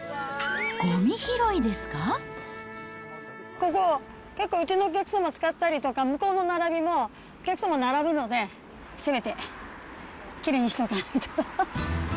ここ、結構うちのお客様使ったりとか、向こうの並びもお客様並ぶので、せめてきれいにしとかないと。